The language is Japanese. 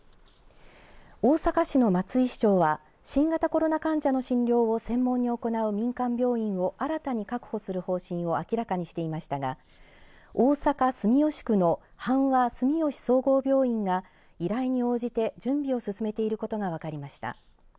大阪市の松井市長は新型コロナ患者の診療を専門に行う民間病院を新たに確保する方針を明らかにしていましたが大阪、住吉区の阪和住吉総合病院が依頼に応じて準備を進めていることが分かりました。